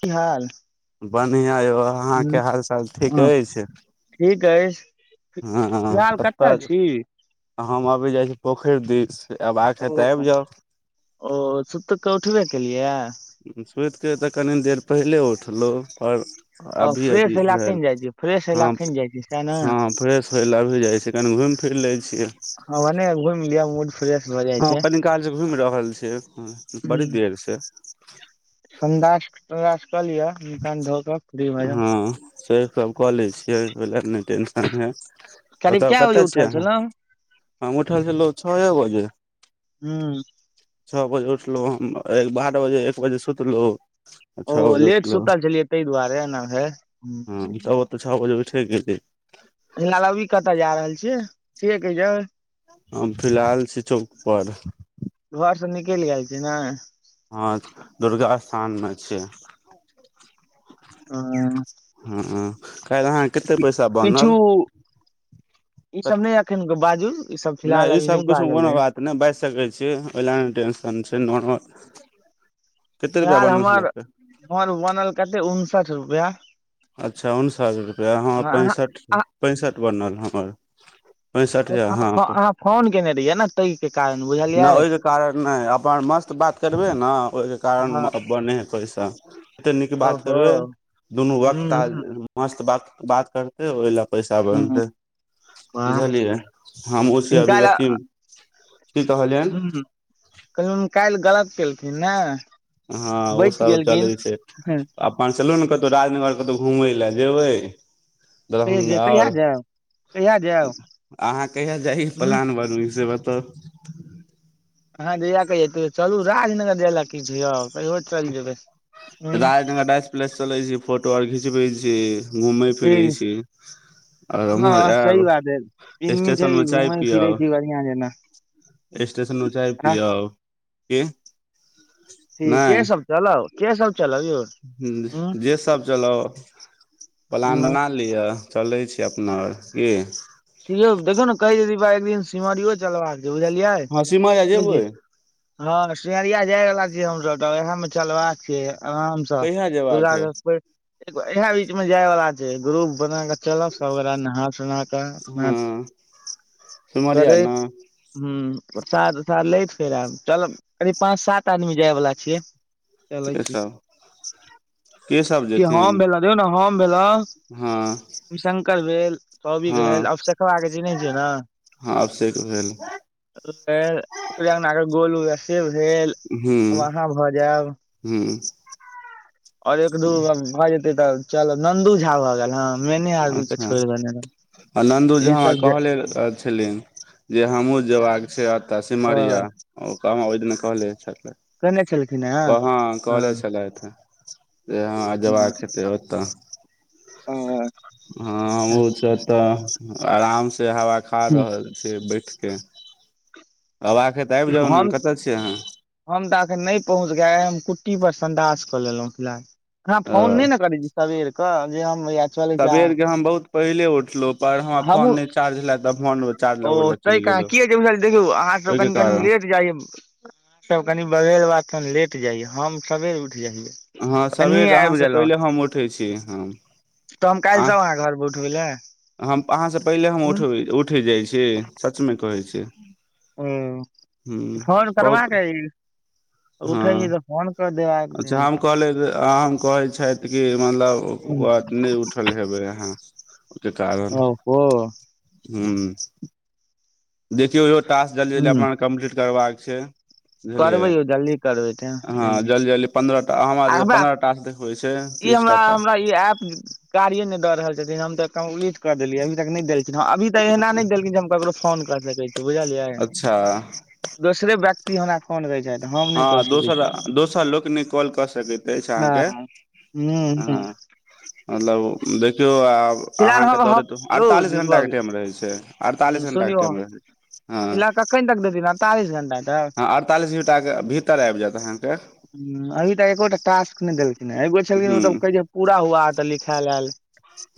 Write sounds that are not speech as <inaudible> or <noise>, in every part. की हाल बढ़ियाँ यौ अहाँके हालचाल ठीक ह अछि। ठीक अछि फिलहाल कतय छी हम अभी जाइ छी पोखरि दिस। आब आख ओ तऽ आबि हो जाउ ओ सुत कऽ उठबे केलियै। सुति के त कनी देर पहिले उठलौं पर ओ अभी अथी फ्रेश हय लए भेल एखन जाइ छी फ्रेश हय लए हँ एखन जाइ छी सएह ने हँ फ्रेश होयला अभी जाइ छियै कनी घूमि फिर लै छियै हँ भने घुमि लिय मूड फ्रेश भऽ जाइ हँ छै कनी काल से घुमि रहल छियै बड़ी देर से संदार <unintelligible> कऽ लिअ मुह कान धो कऽ फ्री भए जाउ हँ से सभ कऽ लै छियै ओइले नय टेंशन हय करीब बताउ कए बजे कतय छियै उठल अहाँ छलहुँ हम उठल छलौं छए बजे। हुँ छौ बजे उठलौं हम बारह बजे एक बजे सुतलौं आ छौ ओ बजे उठलौं। लेट सुतल छलियै ताहि दुआरे एना हय। हुँ तऽ ओत तऽ छौ बजे उइठे गेलै फिलहाल अभी कतऽ जा रहल छियै, छियै के यै <unintelligible> हम फिलहाल छी चौक पर घरसँ निकलि गेल छियै नय हँ दुर्गा स्थान मे छियै हुँ हुँ काल्हि अहाँके केते पैसा बनल किछु ई सब नय अखन बाजू ई सब फिलहाल नहि ई अभी सब नय किछु बाजू कोनो बात नय बाजि सकै छियै ओहि लय नय टेंशन छै नाॅर्मल फिलहाल हमर, हमर बनल कते उनसठ रुपैया अच्छा उनसठ रुपैया हँ पैंसठि पैंसठि बनल हमर पैंसठ यऽ हँ अहाँ फोन केने रहियै ने ताहि के कारण न बुझलियै ओहिके कारण नय अपन मस्त बात करबै ने ओहिके कारण हँ बने हइ पइसा जते नीक बात ओहो करबै दुनू वक्त आ ह मस्त ब बात करतै ओहि लए पैसा बनतै वाह बुझलियै हमहु छी अभीव्यक्ति हुँ काल्हि गलत केलथिन ने हँ ओ बचि सब चलै गेलखिन छै हँ चलू ने कतौ राजनगर कतौ घुमय लए जेबै कहिय जे दरभंगा कहिया आओर। जायब कहिया जायब अहाँ कहिया जाइ के ह प्लान बनाबै छी से बताउ। अहाँ जहिया कहियो तऽ चलू राजनगर जाय ले की छै यौ। कहियो चलि जेबै ह राजनगर राज प्लेस चलै छी फोटो आर घिचबै छी घूमै फिरै ठीक छी आओर उम्हर हँ आयब सही बात है एन्नी छै स्टेशन मे चाय घूमै फिरै पियब छी बढ़ियां जेना स्टेशन मे चाय आ पीयब की अथी के सब चलब के सब चलब यौ उं हुँ जे सब चलब प्लान बना ल लिअ चलै छी अपना आओर की कि यौ देखियौ न कहै छै दीपा एक दिन सिमरियो चलबाक छै बुझलियै हँ सिमरिया जेबै हँ सिमरिया जाय बला छियै हमसब त वएह मे चलबाक छै आराम सऽ कहिया दु जेबाक हे <unintelligible> इएह बीच मे जाय वाला छै ग्रुप बना क चलब सबगोटा नहा सोना क ह हँ सिमरिया कररे ने <unintelligible> हूं प्रसादा तसाद लति फेर आयब चलब करिब पाँच सात आदमी जाय बला छियै चलै के छी सब के सब कि जेथिन हम भेलौ देखियौ न हम भेलौं हँ रविशंकर भेल सौबिक हँ भेल अभिषेकबा के चिन्है छियै ने हँ अभिषेक भेल फेर ओकरे अंगना के गोलु से भेल हूं आब अहाँ भऽ जायब हूं आओर एक दूगो भऽ जेतै तऽ चल नन्दू झा भऽ गेल हं अच्छा आ नन्दू ई झा सब जे कहलनि अछि जे हमहुँ जेयबाक छै एतऽ ओ सिमरिया ओ कहाँ ओहि दिन कहले छल केने छलखिन हेँ कहां हँ कहले छलथि हे से हँ जयबाक हेतै ओतऽ हं हँ हमहु छ ओतऽ आराम से हवा खा ठीक। रहल छी बठि के अबाक अई त आबि जाउ ने हम कतऽ छियै अहाँ हम त एखन नय पहुँच किया कि हम कुट्टी पर संन्ढास कऽ लेलौं फिलहाल अहॉं फोन नय अ ने करै छी सबेर कऽ जे हम चलै छी सबेर के हम बहुत पहिले उठलू पर हमर हमहूँ फोन नय चार्ज छेलए तऽ फोन चार्ज लगबय लए चलि गेलौ देखू अहाँ सब कानी कनि लेट जाइय सब कनि बगल बात तनि लेट जाइय हम सबेर उठि जाइयै हँ सबेर अहाँसँ पहिले हम उठै छी हम तऽ हम काल्हि आंह् सब अहाँ घर पर उठबै लए हम अहाँसँ पहिले हम उठबै उठ उठि जाइ छी सच मे कहै छी ओ हूँ फोन बहुत करबाक अई हँ देबाक अच्छा रही हम कहलिय कहै छथि कि मतलब ओ बात नय उठल हेबै अहाँ ओईके कारण ओहो हूं देखियौ इहो टास्क जल्दी जल्दी ह अपना कम्प्लीट करबाक छै बुझलियै करबै यौ जल्दी करबै टाइम हँ नहि लिअ जल्दी जल्दी पन्द्रह टा हमरा त पन्द्रह टास्क होइछै ई तीस हमरा टा हमरा ई टास्क ऐप कार्ये नय दऽ रहल छथिन हम तऽ कम्पलीट कऽ देलियै अभी तक नय देलखिन अभी त एहना नय देलखिन जे हम ककरो फोन क सकै छी बुझलियै अच्छा दोसरे व्यक्ति हमरा फोन करै छथि हम नहि कऽ हँ सकै दोसर छी दोसर लोकनिक कॉल कऽ सकति अछि अहाँके हूं हूं हँ मतलब देखियौ आब फिलहाल अहाँके हम हम दौड़त यौ अड़तालीस घंटा के दीपक टाइम रहै छै अड़तालीस घंटा के टाइम रहै छै हँ कनि तक देथिन आब हँ अड़तालीस मिनटा के भीतर आबि जायत अहाँके हं अभी तक एकोटा टास्क नय देलखिन ह एगो छलखिन ओ त हूँ कहै छै पूरा हुआ तऽ लिखेऽल एल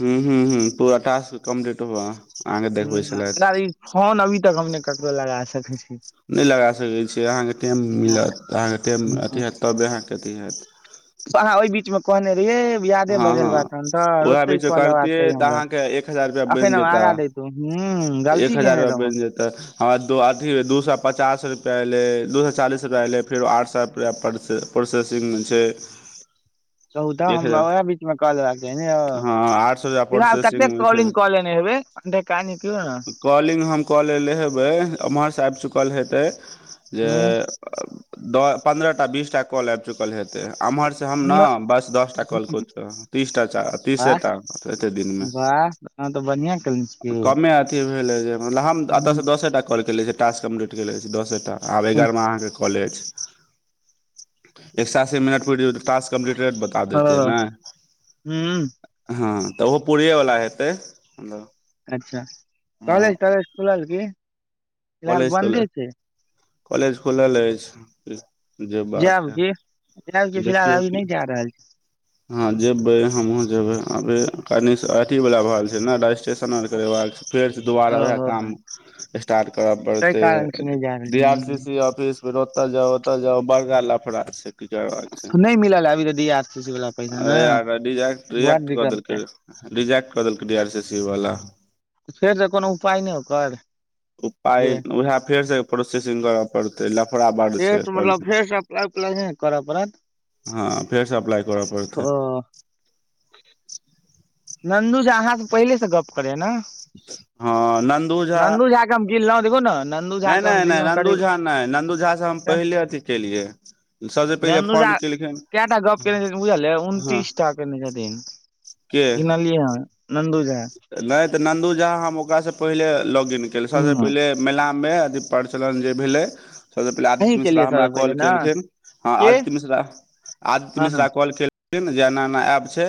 हूं हूं हूं पूरा टास्क कम्प्लीट हुआ आहांके देखबै छेलथि ह ई फोन अभी तक हम नै ककरो लगा सकै छी नै लगा सकैत छीयै अहाँकेँ टाइम मिलत अहाँकेँ टाइम अथि हएैत तबे अहाँकेँ अथि हएैत अहाँ ओय बीच मे कहने रहियै यादे हँ बग हँ बान तऽ <unintelligible> उएह ओते बीच कऽ लेबाक करतियै चाही तऽ हमरा अहाँके एक हजार रुपैआ बनि अखन हम जेता आगा दै हुॅं गलती केने रहौ तऽ हमरा दू अथी दू सए पचास रुपैआ एलै दू से चालीस रुपैआ एलै फेरो आठ एप प्रोसेसिंगमे छै, कहू तऽ एक हमरा हजार ओएह बीच मे कलेबाक चाही है ने यौ हँ आठ सए रुपैआ फिलहाल कते प्रोसेसिंगमे छै कॉलिंग क ले ने हेबै अनठेकानी कहीयौ न कॉलिंग हम कॉलैले हेबै एम्हरसँ आबि चुकल हेतै जे ने द पन्द्रह टा बीस टा कॉल आईब‌चुकल हेतै एम्हर से हम ने बस दस टा कॉल क तऽ तीसटा तीसेटा एते दिनमे हँ तऽ बढ़िआं केने यौ कमे अथी भेलै जे मतलब हम एतऽसँ दसेटा कॉल केले छी टास्क कम्प्लीट केनेे छी दसेटा आब हँ एगारह अहाँके कॉल अछि एक से अस्सी मिनट प तास कम्प्लीटेड रेट बता देते है नै हूँ हँ तऽ ओहो पूरिये वाल्ला हेतै मलब अच्छा कलेज तलेज खुलल कि कॉलेज खो कॉलेज खुलल अछि जेबाक जायब की जायब की हइ फिलहाल देखियौ अभी नहि की जा रहल छी ह जेबै हमहु जेबै कनी अथी वाल्ला भ रहल छै न रजिस्ट्रेशन करेबाक फेर स दुबारा उहे ओ काम ताहि परतै कारण से नहि जा रहल डी आर सी हम्म, सी ऑफिस मे ओतऽ जाउ ओतऽ जाउ बड़गा लफड़ा छै की करबाक नहि मिलल अभी तऽ डी आर सी सी वाला पैसा ने अरे यार रिजेक्ट बड़ रिजेक्ट कऽ दिक्कत देलकै छै र, रिजेक्ट कऽ देलकै डी आर सी सी वाला त फेरसँ कोनो उपाय नै ओकर। ओ पाइ जे उहे फेर से प्रोसेसिंग करब, पड़तै लफड़ा बढ़ फेर छै से मतलब फेर से अप्लाई उप्लाई नहि करऽ पड़त <unintelligible> हँ फेरस‌ अप्लाइ करऽ पड़तै ओ नन्दू झा अहाँ स पहिले से गप करै‌ य न हँ नन्दु झा गिल <unintelligible> न नै नै नै नन्दू झा नै नन्दू झाँ हम पहिले अथी केलियै सभसँ पहिले फोन केलखिन कूटा गप्प कने छथिन बुझल यै हँ उनतीसटा कयने छथिन गिनलीयै हन नन्दू झा नै तऽ नन्दू झा हम ओकरासँ पहिले लॉग-इन केलीयै सबसे हूँ पहिले मेलामे अथी प्रचलन जे भेलै सबसँ पहिले अहीं आदित्य केलियै मिश्रा हमरा सबसँ पहिले कॉल ने केलखिन हँ के आदित्य मिश्रा आदित्य हँ हँ मिश्रा कॉल केल <unintelligible> जे एना एना एप छै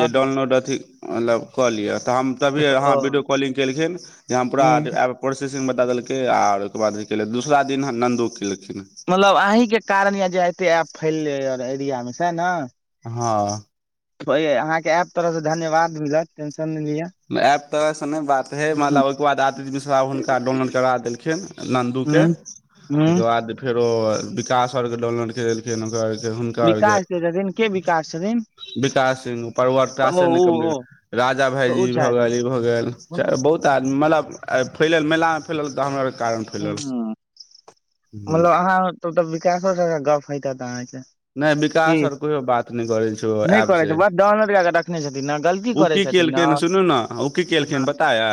जे डाउनलोड अथी मतलब कऽ लिअ तऽ हम तभिए अहाँ ओ वीडियो कॉलिंग केलखिन जे हम पूरा जे हूँ आब प्रसेसिंग बता देलकै आर ओहिके बाद भी केलै दोसरा दिन नन्दो केलखिन मतलब अहीं कारण य जे एते एप फैललै एरियामे सेह नऽ हँ अहाँ के ऐप तरह से धन्यवाद मिलत टेंन नै लीअ एप तरहसँ नै बात हइ मतलब ओहिके बाद आदित्य मिश्रा हुनका डाउनलोड करा देलखिन नन्दूके उं बाद फेरो विकास आओर के डाउनलोड गेल के आर हुनका आर के विकास छथिन के विकास छथिन विकास सिंह ओ परवर्वता से ओ कम ओ राजा ओ भाईजी छथि भ गेल <unintelligible> हूं फैलल ह मतलब अहाँ तब तऽ विकासो सब सऽ गप होईत हेऽत अहाँके नय की विकास आओर कहियो बात नय करै छै नहि ऐप करै से छै बस डाउनलोड कए कऽ रखने छथिन ने गलती उ करै की छथिन ने केलखिन सुनू ने उ की केलखिन पता य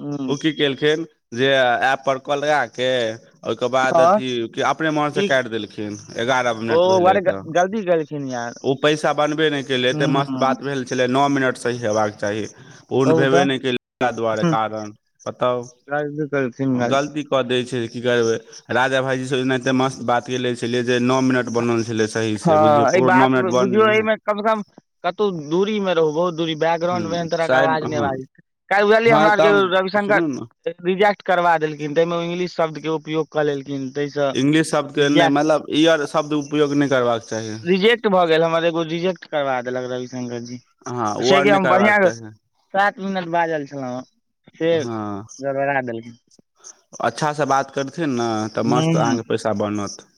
हूं उ की केलखिन जे ऐप पर कॉल लगा के के ओईके बाद ह अथी अपने मोनसँ की काटि देलखिन एगारह ओ मिनट भेलयि वर तऽ गलती केलखिन यार ओ पैसा बनबे नय केलै एते मस्त ह बात भेल छलै न मिनट सही हेबाक चाही पूर्ण कहू भेबे तऽ नय केलै तेहे दुआरे कारण बताउ गलती केलखिन गलती कऽ दै छै की करबै राजा भाईजी सऽ एनाहिते मस्त बात केले छलै जे नौ मिनट बनल सही से हँ बुझियौ एहि ककरो न बात मिनट बन बुझियौ है एहिमे कम सऽ कम कतौ दूरी मे रहबौ बैग्राउंड ह मे एहन तरह के साइड आवाज नय हँ बाजै छै बुझलियै हँ हमरा आर तऽ के हम सुनू ने रविशंकर रिजेक्ट करबा देलखिन तै में ओ इंग्लिश शब्द के उपयोग कऽ लेलखिन तै सऽ इंगलिश शब्द के नय मतलब ईयर शब्द उपयोग नय करबाक चाही रिजेक्ट भऽ गेल हमर एगो रिजेक्ट करबा देलक रविशंकर जी हँ ओ से आर कि नहि हम करबाक बढ़िआँ चाही सात मिनट बाजल छलौं हेँ हँ अच्छा सऽ बात करथिन न तऽ मस्त हूँ अहाँके पैसा बनत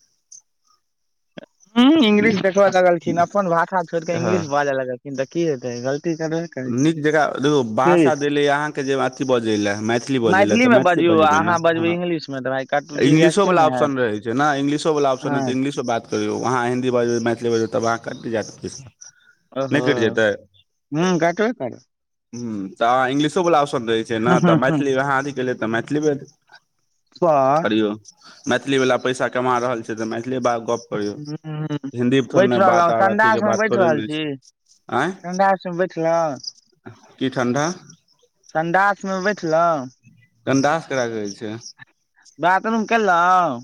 हुं इंग्लिश देखऽ लगलखिन अपन भाषा छोड़ि कऽ हँ इंग्लिश बाजऽ लगलखिन तऽ की हेतै गलती तऽ रहै नीक जकाँ देखियौ भाषा देलैए अहाँकेँ जे अथी बजय लेऽ मैथिली बजय लेऽ तऽ मे मैथिली बजियौ आ बजबै ने अहाँ बजबै हँ इंग्लिश मे तऽ भाय कट इंग्लिशो रिजेक्टे वला ने हैत ऑप्शन रहै छै न इंग्लिशो वला ऑप्शन हेतै हँ इंग्लिश मे बात कहियो अहाँ हिन्दी बाजबू मैथिली बाजबै तब वहाँ कटि जायत पैसा नय ओहो कटि जेतै हूँ काटबे करत हूं तऽ अहाँ इंग्लिशोवला ऑप्शन रहै छै ने तऽ हूँ हूँ मैथिली अहाँ अथी केलियै तऽ मैथिली मे सऽ करियौ मैथिलीवला पैसा कमा रहल छै तऽ मैथिली बला गऽप हूं बैठ रहलौ आर अथी के संडास मे बात बठि थोड़े रहल ने छी छै आँय संडास बैठलौं की ठण्डा संडास मे बैठलौं संडास ककरा कहै छै बाथरूम केलौं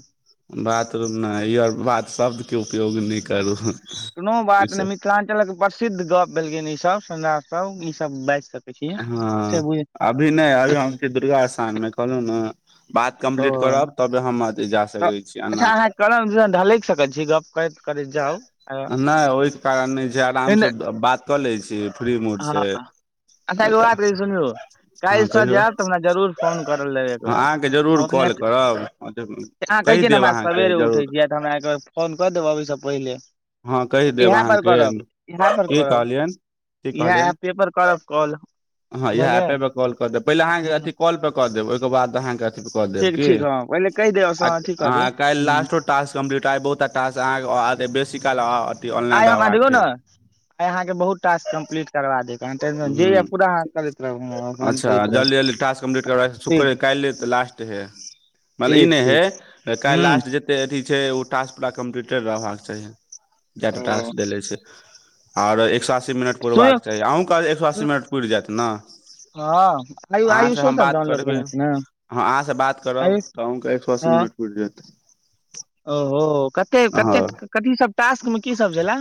बाथरूम नै ई आर बात शब्दके उपयोग नय करू कोनो बात नय मिथिलाञ्चलक प्रसिद्ध गऽप भेलियैन ईसभ सुनला सभ ईसभ बाजि सकै छी से हँ बुझ अभी नय अभी हम छी दुर्गा स्थान मे कहलौं न बात ओ कम्प्लीट करब तबे हम अथि जाय तऽ अच्छा अहाँ कलम दिसँ ढलकि सकै छी गऽप करति नय ओई कारण नय छै आराम से बात कऽ लै छी फ्री मूड से आ तैके बाद ई सुनियौ हँ काल्हिसँ कहियौ जायब तऽ हमरा जरूर फोन कऽर लेब एक बेर <unintelligible> ह त अहाँ कहै छियै ने हमरा सवेरे उठै छियै तऽ हमरा एक बेरि फोन कऽ देब अबै सँ पहिले हँ कहि देब इहा पर अहाँके करब इहा पर की करब कहलियनि की इहा कहलियनि ऐपे पर करब कॉल हँ इएह बुझलियै एपेपर कॉल कऽ देब पहिले अहाँकेँ अथी कॉल कऽ देब ओहिके बाद अहाँकेँ अथी पर कऽ देब कि ओईले कहि देब से आ अथी कऽ देब हं काल्हि ह लास्टो टास्क कम्प्लीट आ बहुत टास्क अहाँके बेसी काल ऑनलाइन आइ रहब हमआ देखियौ न अहाँके आय अहाँके बहुत टास्क कम्प्लीट करवा देब अहाॅं टेन्सन जे ये हूँ पूरा अहाॅं अच्छा जल्दी जल्दी टास्क कम्प्लीट करबायब ठीक शुक्रे काल्हि तऽ लास्ट है मतलब ई ठीक नय ठीक है काइल हूँ लास्ट जे ते अथी छै उ टास्क पूरा कम्प्लीटेड रहबाक चाही जेऽटा टास्क देले छै आर एक सए अस्सी मिनट तू पुरबाक चाही अहूंके एक सए अस्सी मिनट पुरि जायत ने हँ आयु अहाँ से आयुषो हम सब बात डाउनलोड करबै केने छै ने अहाँस बात करब आयुष तँ अहुॅंक एक सए अस्सी हाँ मिनट पुरि जायत ओहो कते कते कथी सब टास्क मे की सब छेला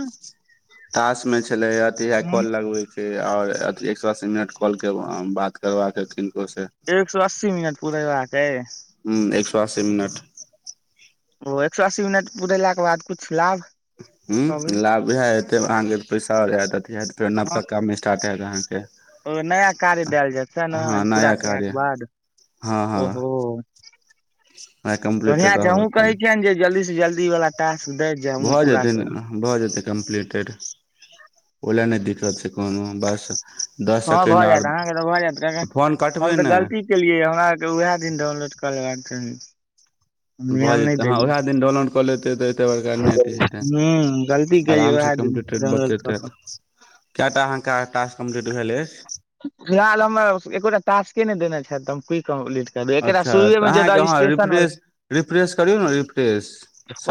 टास्क मे छलै आ अथी येहे काॅल लगबै आओर अथि एक सए अस्सी मिनट कॉल के बात करबाक यै किनको से एक सए अस्सी मिनट पूरेबाक अइ हूं एक सए अस्सी मिनट ओ एक सए अस्सी मिनट पुरेलाके बाद किछ लाभ कहबै हुं लाभ उहे हेतै अहाँके पैसा एत अथि हेऽत फेर हँ नबका काम मे स्टार्ट हेऽत अहाँके ओ नया काज देल जाइत सेह न हँ ई पूरा नया कार्य केलाक बाद हँ हँ ओहो आ बढ़िया कम्प्लीटेड छै रहबाक हमहू चाही। कहै छियनि जे जल्दी सँ जल्दी वाला टास्क दै भऽ जेतनि भऽ जेतै कम्प्लीटेड ओ लए नय दिक्कत छै कोनो बस दस हं भ सेकेण्ड आर जायत अहाँके तऽ भ जायत कियाकि फोन कटबै हम तऽ ने गलती केलियै हमरा आरके उहे दिन डाउनलोड क लेबाक चाही भऽ ध्यान नहि जेतै हँ देलियै उएह दिन डाउनलोड कऽ लेते तऽ एते बड़का नय अथि हेते हूँ गलती केलियै आराम से उएह दिन कम्पलिट फेर डाउनलोड कऽ कऽ बतेतथि केऽटा अहाँके टास्क कम्प्लीट भेल अय फिलहाल हमर एकोटा टास्के नय देने छथि तऽ हम कि अच्छा तऽ अहाँके अहाँ वला रिफ्रेश रिफ्रेश करियौ ने रिफ्रेश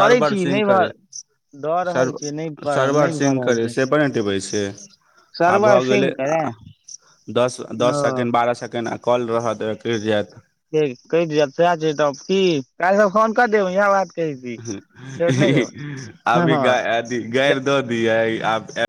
करै छी सिंक नहि भऽ करे दऽ सर रहल छियै नहि सरवर नहि भऽ सिंक रहल करे छै से पर नय टिपै छियै आब भऽ सर्वर सिंक गेलै करै दस ओ दस सेकेण्ड बारह सेकेण्ड आ कॉल रऽहऽ आ कटि जायत कहि देब सएह छै तब की काल्हि सब फोन कऽ देब ईएह बात कहै छी हा छोड़ि नहि देब <unintelligible> हँ अभी हँ आ गड़ दऽ दिय आ